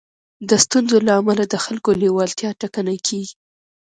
د ستونزو له امله د خلکو لېوالتيا ټکنۍ کېږي.